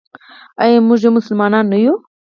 آیا موږ یو مسلمان نه یو؟